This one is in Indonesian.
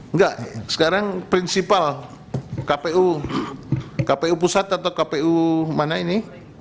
enggak sekarang prinsipal kpu kpu pusat atau kpu mana ini